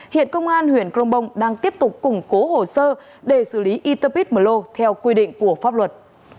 hiện công an huyện crongbong đang tiếp tục củng cố hồ sơ để xử lý interpid mlo theo quy định của pháp luật